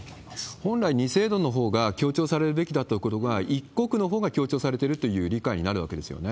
本来二制度のほうが強調されるべきところが、一国のほうが強調されてるっていう理解になるわけですよね？